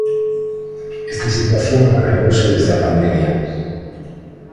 "Esta situación agravouse desde pandemia".